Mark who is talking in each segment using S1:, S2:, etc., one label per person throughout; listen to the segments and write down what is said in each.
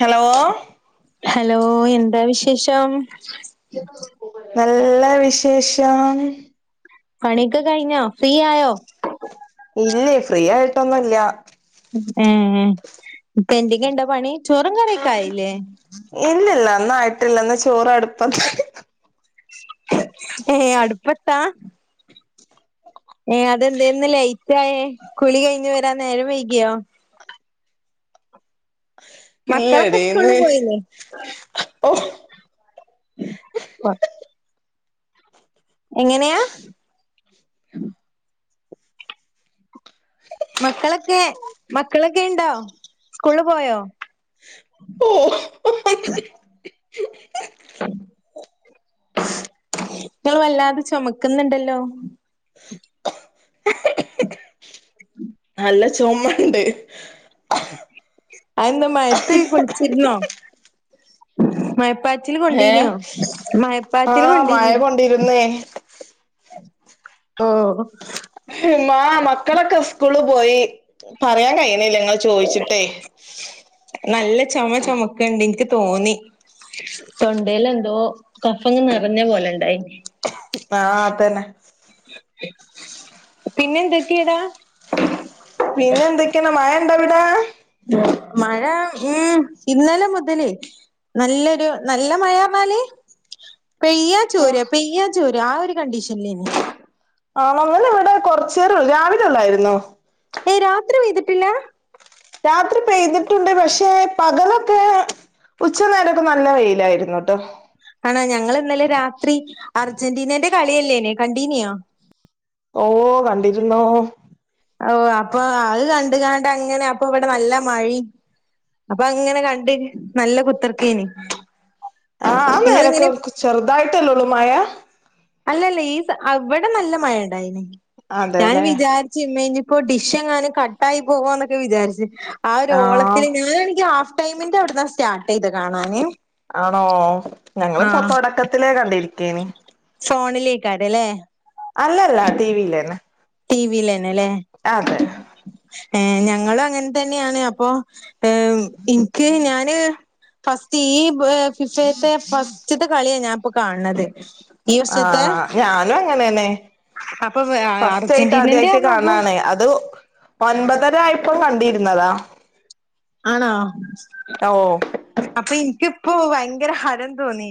S1: Hello
S2: hello എന്താ വിശേഷം
S1: നല്ല വിശേഷം
S2: പണിയൊക്കെ കഴിഞ്ഞോ ഫ്രീ ആയോ?
S1: ഇല്ലേ ഫ്രീ ആയിട്ടൊന്നും ഇല്ല
S2: ഏ ഏ ഇപ്പ എന്തെക്കെ ഒണ്ട് പണി ചോറും കറിയൊക്ക ആയില്ലേ
S1: ഇല്ലില്ല ഒന്നും ആയിട്ടില്ലാ ഇന്ന് ചോറ് അടുപ്പത്ത്
S2: ഏ അടുപ്പത്താ ഏഹ് അതെന്താ ഇന്ന് ലേറ്റായേ കുളി കഴിഞ്ഞു വരാൻ നേരം വൈകിയോ മക്കളൊക്കെ
S1: ഇല്ലടി
S2: സ്കൂളില്
S1: ഇന്ന്
S2: പോയില്ലേ
S1: ഓ
S2: എങ്ങനെയാ മക്കളൊക്കെ മക്കളൊക്കെ ഇണ്ടോ സ്കൂളില് പോയോ
S1: ഓ
S2: നിങ്ങള് വല്ലാതെ ചുമക്കുന്നുണ്ടല്ലോ
S1: നല്ല ചുമയുണ്ട്
S2: അതെന്താ മഴയത്ത് കുളിച്ചിരുന്നൊ മയപ്പാ ച്ചില്
S1: ഏ
S2: കൊണ്ടീനോ മയപ്പാച്ചില്
S1: ആഹ് മഴ
S2: കൊണ്ടീനോ
S1: കൊണ്ടിരുന്നേ
S2: ഓ
S1: ആഹ് മക്കളൊക്കെ സ്കൂളി പോയി. പറയാൻ കഴയണില്ല നിങ്ങള് ചോ ച്ചിട്ടെ.
S2: നല്ല ചുമ ചുമക്കണ്ട് എനിക്ക് തോന്നി തൊണ്ടയിലെന്തോ കഫം നിറഞ്ഞ പോലെ ഇണ്ടായി
S1: ആഹ് അതന്നെ
S2: പിന്നെ എന്തൊക്കെയാടാ
S1: വേറെ എന്തൊക്കെയണ് മഴ ഉണ്ടാ അവിടെ
S2: മഴ ഉം ഇന്നലെ മുതല് നല്ലൊരു നല്ല മഴയാ പറഞ്ഞാല് പെയ്യാ
S1: ആഹ്
S2: ചോരുവാ പെയ്യാ ചോരുവാ ആ ഒരു കണ്ടീഷനിലായിരുന്നു
S1: ആ നമ്മടെ ഇവിടെ കൊറച്ച് നേരം രാവിലെ ഉള്ളായിരുന്നൂ.
S2: ഏയ് രാത്രി പെയിതിട്ടില്ല
S1: രാത്രി പെയ്തിട്ടുണ്ട് പക്ഷെ പകലൊക്കെ ഉച്ച നേരൊക്കെ നല്ല വെയിലായിരുന്നുട്ടോ.
S2: ആണാ ഞങ്ങൾ ഇന്നലെ രാത്രി അർജന്റീനന്റെ കളിയല്ലേനി കണ്ടീനിയോ
S1: ഓഹ് കണ്ടിരുന്നൂ.
S2: ഓ അപ്പൊ അത് കണ്ട കണ്ട് അങ്ങനെ അപ്പൊ ഇവിടെ നല്ല മഴയും. അപ്പൊ അങ്ങനെ കണ്ട് നല്ല കുത്തർക്കീനി
S1: ആഹ് ആ നെരൊക്കെ ചെറുതായിട്ടല്ലോ ഉള്ളൂ മയ
S2: അല്ലല്ല ഇവിടെ നല്ല മഴ ഉണ്ടായിനി ഞാൻ
S1: അതെല്ലേ
S2: വിചാരി ചിമ്മനി ഇപ്പോ ഡിഷ് എങ്ങാനും കട്ടായി പോവാന്നൊക്കെ വിചാരിച്ചു. ആ ഒരു
S1: ആഹ്
S2: ഓളത്തിന് ഞാന എനിക്ക് ഹാഫ് ടൈമിന്റെ അവിടന്നാ സ്റ്റാർട്ട് ചെയ്തത് കാണാന്.
S1: ആണോ ഞങ്ങള് തൊടക്കത്തില കണ്ടിരിക്കന്
S2: ഫോണിലേക്കാട് അല്ലേ
S1: അല്ലല്ല ടി വി യിലേന്നെ
S2: ടി വിലന്നെ അല്ലേ
S1: അതെ
S2: ഏഹ് ഞങ്ങളും അങ്ങനെ തന്നെയാണ് അപ്പൊ ഏഹ് ഇൻക്ക് ഞാന് ഫസ്റ്റ് ഈ ഫിഫത്തെ ഫസ്റ്റത്തെ കളിയാ ഞാനിപ്പോ കാണത്
S1: ആഹ് ഞാനും അങ്ങനെന്നെ
S2: അപ്പൊ
S1: ഫസ്റ്റ് ആയിട്ട്
S2: അർജന്റീനന്റെ
S1: ആദ്യായിട്ട്
S2: പറഞ്ഞപ്പോ
S1: കാണാണേ അത് ഒൻപതര ആയപ്പ കണ്ടിരുന്നതാ
S2: ആണോ
S1: ഓ
S2: അപ്പൊ എനിക്കിപ്പോ ഭയങ്കര ഹരം തോന്നി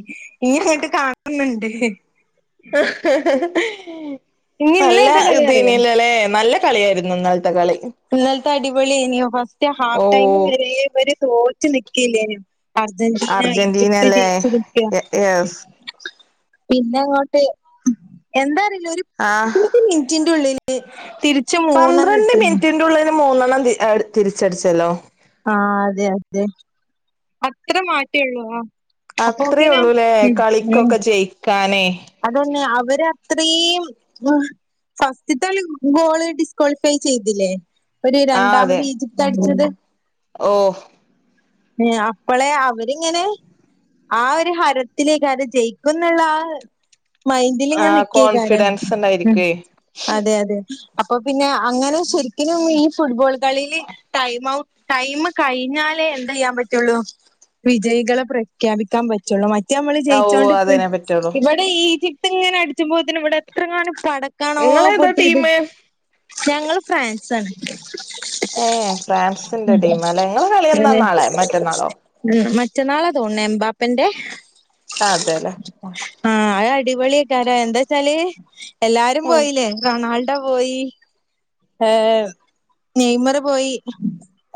S2: ഈ അങ്ങട്ട് കാണുന്നുണ്ട്
S1: ആ
S2: ഇനി ഇന്ന്
S1: നല്ല
S2: ഏതാ കളി അറിയോ
S1: ഇതീനല്ലല്ലേ നല്ല കളിയായിരുന്നു ഇന്നൽത്തെ കളി
S2: മറ്റേ ഹാഫ്
S1: ഓ
S2: ടൈമ് വരെ ഇവര് തോറ്റു നിക്കില്ലേനു അർജന്റീന
S1: അർജന്റീന അല്ലേ
S2: [unintelligible]
S1: യെസ്
S2: പിന്നെ അങ്ങോട്ട് എന്താ അറിയില്ല ഒരു
S1: ആഹ്
S2: മിനിറ്റിന്നുള്ളില് തി
S1: പന്ത്രണ്ട് മിനിറ്റിന്റെ ഉള്ളില് മൂന്നെണ്ണം തിരിച്ചടിച്ചല്ലോ
S2: ആഹ് അതെ അതെ അത്ര [unintelligible] ആഹ്
S1: അത്രേ ഉള്ളൂല്ലേ
S2: ഉം
S1: കളിക്കൊക്കെ ജയിക്കാനേ
S2: അതന്നെ അവര് അത്രയും ഫസ്റ്റ്ത്തളി ഗോള് ഡിസ്ക്വാളിഫൈ ചെയ്തില്ലേ ഒരു രണ്ടാമത് ഈജിപ്ത് അടിച്ചത്
S1: ഓഹ്
S2: അപ്പളെ അവരിങ്ങനെ ആ ഒരു ഹരത്തിലേക്ക് അത് ജയിക്ക എന്നുള്ള ആഹ് മൈന്ഡിലിങ്ങനെ
S1: ആഹ്
S2: നിക്കേക്കാരം
S1: കോൺഫിഡൻസ്
S2: ഉം
S1: ഉണ്ടായിരിക്കുവേ
S2: അതെ അതെ അപ്പൊ പിന്നെ അങ്ങനെ ശരിക്കിനും ഈ ഫുഡ്ബോൾ കളിയില് ടൈം ഔട്ട് ടൈം കഴിഞ്ഞാലേ എന്ത് ചെയ്യാൻ പറ്റുള്ളൂ വിജയികളെ പ്രഖ്യാപിക്കാൻ പറ്റ മറ്റേ നമ്മള്
S1: ഓ
S2: ജയിച്ചോണ്ടിക്ക
S1: അതിനെ പറ്റുള്ളൂ
S2: ഇവിടെ ഈജിപ്തി ഇങ്ങനെ അടിച്ച്പോത്തെ ഇവിടെ എത്ര കാണും പടക്കാണോ
S1: നിങ്ങളേതാ
S2: പൊട്ടിയത്
S1: ടീമ്
S2: ഞങ്ങള് ഫ്രാൻസ് ആണ്
S1: ഏഹ് ഫ്രാൻസിന്റെ ടീം അല്ലേ നിങ്ങള് കളിയെന്നാ
S2: അതെ
S1: നാളെ മറ്റന്നാളോ
S2: ഉം മറ്റന്നാളെ തോന്നണേ എംബാപ്പന്റെ
S1: ആഹ് അതെല്ലേ
S2: ആഹ് അത് അടിപൊളിയൊക്കാരോ എന്താ വച്ചാല് എല്ലാരും പോയില്ലേ റൊണാൾഡോ പോയി ആഹ് നെയ്മറ് പോയി.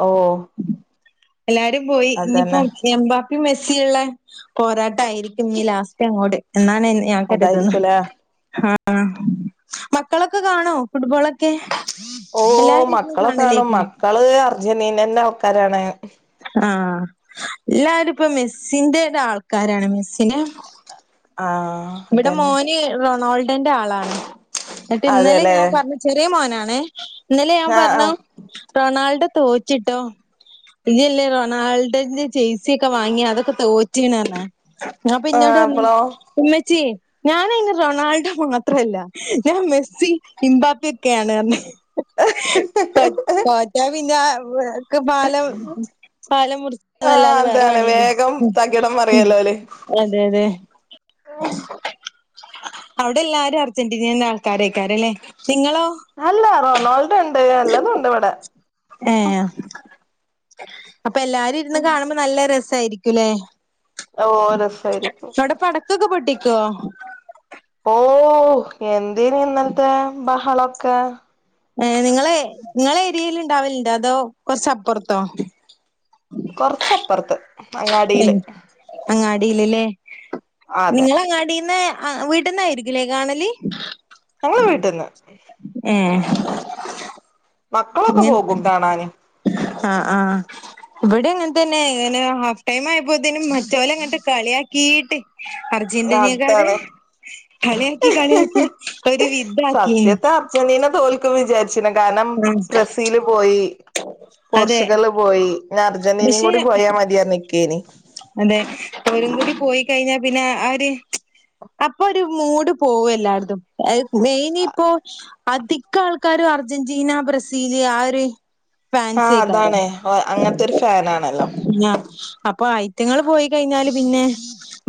S1: ഓഹ്
S2: എല്ലാരും പോയി. ഇനിയിപ്പം എംമ്പാപ്പി മെസ്സിയിള്ളെ പോരാട്ടായിരിക്കും ഇനി ലാസ്റ്റ് അങ്ങോട്ട് എന്നാണ് ഞാൻ കരുതുന്നെ..
S1: അതായിരിക്കുംല്ലേ
S2: ആഹ് ആഹ് മക്കളൊക്കെ കാണോ ഫുട്ബോളൊക്കെ, എല്ലാരിന്ന് കാണലേക്കും ലെ
S1: അത് അർജന്റീനന്റെ ആൾക്കാരാണ്.
S2: ആഹ് എല്ലാരും ഇപ്പൊ മെസ്സിന്റൊരു ആൾക്കാരാണ് മെസ്സിന്റെ
S1: ആഹ്
S2: ഇവടെ
S1: അതന്നെ
S2: മോന് റൊണോൾഡന്റെ ആളാണ്. ഇന്നട്ട് ഇന്നലെ
S1: അതെല്ലേ
S2: ഞാൻ പറഞ്ഞ് ചെറിയ മോനാണെ, ഇന്നലെ ഞാൻ
S1: ആഹ്
S2: പറഞ്ഞു
S1: ആഹ്
S2: റൊണാൾഡോ തോറ്റ്ട്ടോ ഇയ്യല്ലേ റൊണാൾഡന്റെ ജെയ്‌സിയക്കെ വാങ്ങിയെ അതൊക്കെ തോ റ്റ് പറഞ്ഞാ അപ്പൊ
S1: ആഹ്
S2: ഇന്നോട് പറഞ്ഞ്
S1: അപ്പളോ
S2: ഇമ്മച്ചിയെ ഞാനയ്ന് റൊണാൾഡോ മാത്രല്ല ഞാൻ മെസ്സി ഹിമ്പാപ്പക്കെയാണ് പറഞ്ഞ് ക തോറ്റ പിന്നെ ഓൻക്ക് പാലം, പാലം
S1: ആഹ്
S2: മുറ്ച്ചാന്നല്ലാതെ വേറെ
S1: അതാണ്
S2: പണിയില്ല
S1: വേഗം തകിടം മറിയല്ലോ ഓല്
S2: [inaudible] അതെ അതെ. അവ്ടെല്ലാരും അർജന്റീനന്റെ ആൾക്കാരെകാരംല്ലേ. ഇങ്ങളോ
S1: അല്ല റൊണാൾഡോ ഇണ്ട് എല്ലതും ഇണ്ട് ഇവടെ
S2: ഏഹ് അപ്പല്ലാരും ഇരുന്ന് കാണുമ്പോ നല്ല രസായിരിക്കും ലേ
S1: ഓഹ് രസയിരിക്കും.
S2: ടൊകൊക്കെ പൊട്ടിക്കോ
S1: ഓഹ് എന്തേനി ഇന്നൽത്തെ ബഹളൊക്കെ
S2: ഏഹ് നിങ്ങളെ നിങ്ങളെ ഏരിയലിണ്ടാവല്ണ്ടോ അതോ കൊറച്ചപ്പർത്തോ
S1: കൊറച്ചപ്പർത്ത്.
S2: ആഹ് അങ്ങാടില്ല് ലേ
S1: അതെ
S2: നിങ്ങളങ്ങാടിന്ന് ആഹ് വീട്ട്ന്നായിരികുലെ കാണല്?
S1: ഞങ്ങള് വീട്ട്ന്ന്.
S2: ഏഹ്
S1: മക്കളൊക്കെ പോകും കാണാന്.
S2: ആഹ് ആഹ് ഇവിടിം അങ്ങൻതന്നെ ഇങ്ങനെ ഹാഫ് ടൈംമായപ്പോത്തിന് മറ്റോലങ്ങട്ട് കളിയാകീട്ട് അർജന്റീനക്കാര്
S1: അതാണ്
S2: കളിയാക്കി കളിയാക്കി ഒര് വിതാക്കിണ്.
S1: സത്യത്തെ അർജന്റീന തോൽക്കും വിചാരിച്ചില്ല കാരണം
S2: ആഹ്
S1: ബ്രസീല് പോയി
S2: അതെ
S1: പോർച്ചുഗല് പോയി ഇനി അർജന്റീനിം
S2: പക്ഷെ
S1: കൂടി പോയാ മതിയറഞ്ഞിക്കേനി.
S2: അതെ ഓരും കൂടി പോയി കഴിഞ്ഞാ പിന്നെ ആ ഒര് അപ്പൊരു മൂട് പോകും എല്ലാര്ത്തും. അഹ് മെയിനിപ്പോ അതി കാൾക്കാരും അർജന്റീന ബ്രസീല് ആ ഒര്
S1: ആഹ്
S2: ഫാൻസേക്കാരം.
S1: അതാണ് അങ്ങനത്തെ ഒരു ഫാനാണല്ലോ
S2: ആഹ് അപ്പൊ ആയി റ്റങ്ങള് പോയി കയിഞ്ഞാല് പിന്നെ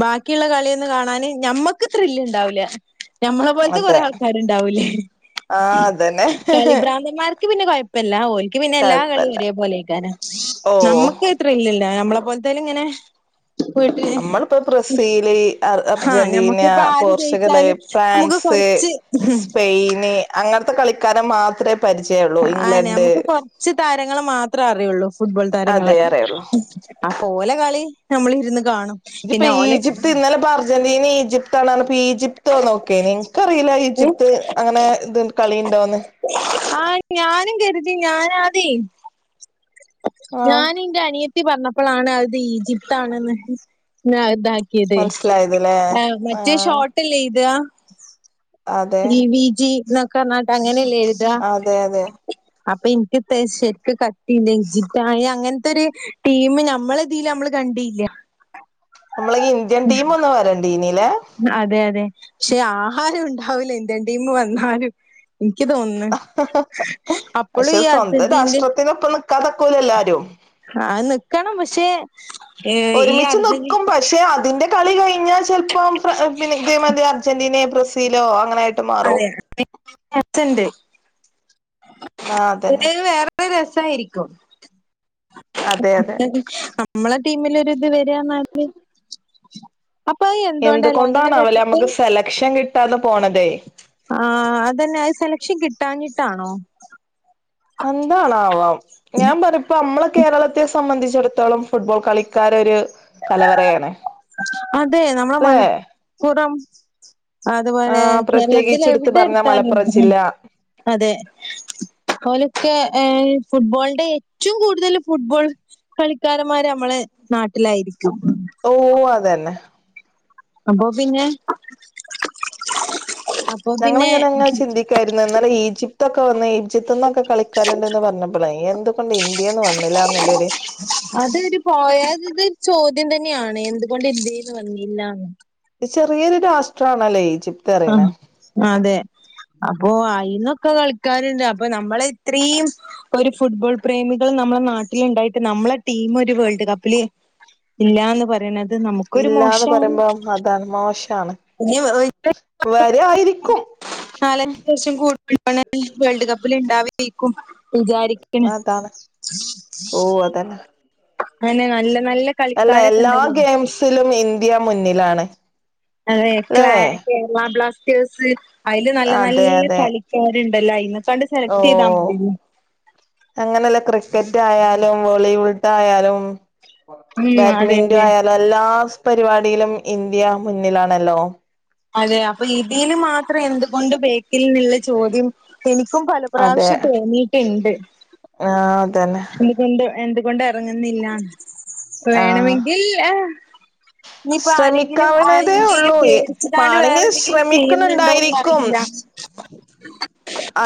S2: ബാക്കിള്ള കളിയന്നെ കാണാന് ഞമ്മക്ക് ത്രില്ണ്ടാവൂലാ ഞമ്മളെ പോൽത്തെ കൊറെ
S1: അതെ
S2: ആൾക്കാര്ണ്ടാവൂലേ.
S1: ആഹ് അതന്നെ
S2: കളി ഭ്രാന്തന്മാർക്ക് പിന്നെ കൊയ പ്പല്ലാ ഓൽക്ക് പിന്നെ എല്ലാ കളിയും
S1: കൊഴപ്പല്ല
S2: ഒരേപോലെയെക്കാരം.
S1: ഓ
S2: നമ്മക്ക് ഇല്ലല്ലോ നമ്മളെ പോൽത്തോലിങ്ങനെ പോയിട്ട്.
S1: നമ്മളിപ്പോ ബ്രസീല് അർ
S2: ആഹ്
S1: അർജന്റീന
S2: ഞമ്മക്കിപ്പ ആര്
S1: പോർച്ചുഗല്
S2: ജയിച്ചാലും നമുക്ക്
S1: ഫ്രാൻസ്
S2: കൊർച്ച് [inaudible]
S1: സ്പെയിന് അങ്ങൻത്തെ കളിക്കാര് മാത്രേ പരിചയള്ളൂ
S2: ആഹ്
S1: ഇംഗ്ലണ്ട്
S2: നമുക്ക് കൊറച്ച് താരങ്ങളെ മാത്രേ അറിയൊള്ളൂ ഫുട്ബോൾ താരങ്ങളെ
S1: അതേ അറിയുള്ളൂ
S2: അപ്പം ഓലെ കളി നമ്മളിരുന്ന് കാണും.
S1: ഇത്പ്പോ
S2: പിന്നെ ഓലെ
S1: ഈജിപ്ത്ത് ഇന്നലെപ്പോ അർജന്റീനിം ഈജിപ്ത്താണറിഞ്ഞപ്പോ ഈജിപ് തെ നോക്കേ നിക്കറില
S2: ടീമ്
S1: ഈജിപ്ത് അങ്ങനെ ഇത് കളിണ്ടോന്ന്.
S2: ആഹ ഞാനും കരുതി ഞാനാദ്യ.
S1: ആഹ്
S2: ഞാന എന്റെറെ അണിയത്തി പറഞ്ഞപ്പോളാണ് അത് ഈജിപ്ത ആണ്ന്ന് ഇതാ കേത്
S1: മനസ്സിലായതല്ലേ
S2: മറ്റേ
S1: ആഹ്
S2: ഷോർട്ട്ല്ലേ എയ്താ.
S1: അതെ
S2: ഇ വി ജി എന്നൊക്കെ നാട്ട് അങ്ങനെല്ലേ എഴുതാ
S1: അതെ അതെ
S2: അപ്പൻക്. [unintelligible] അങ്ങനത്തെ ഒരു ടീമ് നമ്മള ഇതില് നമ്മള് കണ്ടിയില്ല.
S1: നമ്മളെ ഇന്ത്യൻ ട്ടിം ഒുന്ന് വരണ്ണ്ടി നീല്ലേ.
S2: അതെ അതെ പക്ഷെ ആഹാരം ഉണ്ടാവൂല ഇന്ത്യൻ ടീമ് വന്നാല്. എനിക്ക് തോന്നുന്നു അപ്പോഴും ഈ അർജണ്ടിനന്റി
S1: കഥക്കൂല എല്ലാരും.
S2: ആ നക്കണം പക്ഷെ. ഏഹ് ഈ
S1: ഒരുമിച്ച്
S2: അർജന്റീ
S1: നിക്കും പക്ഷെ അതിന്റെ. കളി കഴിഞ്ഞാൽ ചിലപ്പം പിന്നെ ഇതേമാതിരി അർജന്റീനെ ബ്രസീലോ അങ്ങനെ
S2: [unintelligible] അതെ
S1: ആഹ് അതന്നെ
S2: വേറെ അത്ര രസായിരിക്കും
S1: അതെ അതെ
S2: നമ്മളെ ടീമിൽൊരി ഇത് വരാ മാതി അപ്പൊ എന്തുകൊണ്ടല്ലോ അങ്ങനെ വരിട്ട്
S1: ലക്ഷം കിട്ടാതെ പോണതേ
S2: ആ അതന്നെ അത് സെലക്ഷൻ കിട്ടാഞ്ഞിട്ടാണോ
S1: എന്താണാവാം ഞാൻ പറഞ്ഞപ്പ നമ്മളെ കേരളത്തെ സംബന്ധിച്ചിടത്തോളം ഫുട്ബോൾ കളിക്കാരരു കലവറയാണ്േ
S2: അതെ നമ്മള മലപ്പുറം
S1: ആ
S2: അതുപോലെ കേരളത്തി
S1: പ്രത്യേകിച്ച് എടുത്ത്
S2: എവിടെ
S1: പറഞ്ഞ
S2: എടുത്താലും
S1: മലപ്പുറം ജില്ല
S2: അതെ ഓലൊക്കെ ഏ ഫുട്ബോളിന്റെ ഏറ്റവും കൂടുതൽ ഫുട്ബോൾ കളിക്കാരമാര് നമ്മളെ നാട്ടിലായിരിക്കും
S1: ഓ അതന്നെ
S2: അപോ പിന്നെ അപ്പൊ
S1: ഞങ്ങള്
S2: പിന്നെ
S1: ങ്ങനെങ്ങെ ചിന്തി ക്കായിരുന്നുഎന്നാലും ഈജിപ്തൊക്കെ വന്ന ഈജിപ്ത്ന്നൊക്കെ കളിക്കാരണ്ടന്ന് പറഞ്ഞപ്പോളെ എ ണ്ട് ഇന്ത്യന്ന് വന്നില്ലന്നല്ലര്
S2: അതൊരു പോയാതരു ചോദ്യം തന്നെയാണ് എന്തുകൊണ്ട് ഇന്ത്യ ന്ന് വന്നിില്ലന്ന്
S1: ത് ചെറിയൊരു രാഷ്ട്രണല്ലോ ഈജി
S2: ആഹ് അതെ അപ്പൊ അയിന്നൊക്കെ കളിക്കാരുണ്ട് അപ്പൊ നമ്മള ഇത്രയും ഒരു ഫുട്ബോൾ പ്രേമികൾും നമ്മളെ നാട്ടിലുണ്ടായിട്ട് നമ്മളെ ടീം ഒരു വേൾഡ് കപ്പില് ഇല്ലന്ന് പറയണ
S1: ഇല്ലാന്ന് പറയുമ്പം അതാണ് മോശാണ്
S2: ഇനി
S1: വരെയിരിക്കും
S2: അത്യാവശം [unintelligible] വേൾഡ് കപ്പിൽ ഉണ്ടാവ വിചാരിക്കണ
S1: തന്ന
S2: അങ്ങനെ നല്ല നല്ല
S1: അല്ല
S2: കളിക്കാരൊക്കെ
S1: എല്ലാ
S2: ഉണ്ടല്ലോ.
S1: ഗെയിംസിലും ഇന്ത്യ മുന്നിലാണ്
S2: അതെ ല
S1: ല്ലേ
S2: കേരള ബ്ലാസ്റ്റേഴ്സ് അതില് നല്ല
S1: അതെ
S2: നല്ല
S1: അതെ
S2: കളിക്കാരുണ്ടല്ലോ ഇന്നെക്കാണ്ട് സെലക്ട് ചെയ്താൽ മതില്ലേ
S1: അങ്ങനെയല്ല ക്രിക്കറ്റ് ആയാലും വോളിോളട്ട ആയാലും
S2: ഉം അതെ
S1: ബാഡ്മിന്റോ
S2: അതെ.
S1: ആയാാലും എല്ലാ പരിപാടിയിലും ഇന്ത്യ മുന്നിലാണല്ലോ
S2: അതെ അപ്പൊ ഇതിന് മാത്രം അത്ര എന്തുകൊണ്ട് ബേക്കില് എന്നുള്ള ചോദ്യം എനിക്കും
S1: അതെ
S2: പലപ്രാവശ്യം തോന്നിയിട്ടുണ്ട്
S1: ആഹ് അതന്നെ
S2: എന്തുകൊണ്ട് ഇറങ്ങുന്നില്ല അപ്പ
S1: ആഹ്
S2: വേണമെങ്കിൽ ഇനിയിപ്പോ ആരെങ്കിലും ആ
S1: ശ്രമിക്കാവണതേ
S2: ഇന്ത്യയെ
S1: ഉള്ളൂ
S2: പേടിച്ചതാണ്ട് വേറെ
S1: മാണെങ്കിൽ
S2: എന്തെങ്കിലും ചെയ്യുന്നുണ്ടോന്ന് അറിയില്ല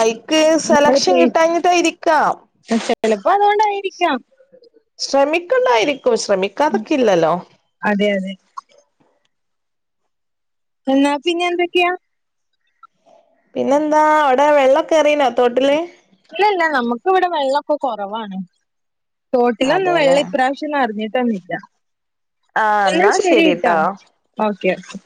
S1: ഐക്ക്
S2: നമ്മള്
S1: സെലക്ഷൻ
S2: പേ
S1: കിട്ടിഞ്ഞിട്ട് ഇരിക്കാം
S2: ചെലപ്പോ അതുകൊണ്ടായിരിക്കാം
S1: ശ്രമിക്കണ്ടായിരിക്കും ശ്രമിക്കാതൊക്കെ ഇല്ലല്ലോ
S2: അതെ അതെ എന്നാ പിന്നെ എന്തൊക്കെയാ
S1: പിന്നെന്താ അവിടെ വെള്ളൊക്കെ എറനോ തോട്ടില്
S2: ഇല്ല ഇല്ല നമ്മുക്ക് ഇവിടെ വെള്ളൊക്കെ കുറവാണ് തോട്ടിലൊന്ന് വെള്ളം
S1: അതെല്ലേ
S2: ഇപ്രാവശ്യം അറിഞ്ഞിട്ടന്നില്ല
S1: ആഹ്
S2: എന്നും
S1: എന്നാ
S2: ശരി കേട്ടോ
S1: ശരിട്ടോ
S2: ഓക്കെ ഓക്കെ